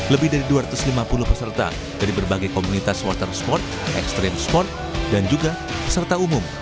lebih dari dua ratus lima puluh peserta dari berbagai komunitas water sport extrem sport dan juga peserta umum